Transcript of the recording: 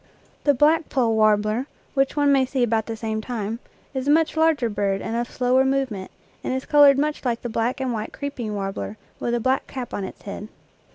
The black poll warbler, which one may see about the same time, is a much larger bird and of slower movement, and is colored much like the black and white creeping warbler with a black cap on its head.